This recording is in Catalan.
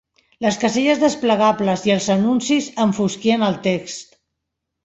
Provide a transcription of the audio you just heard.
Les caselles desplegables i els anuncis enfosquien el text.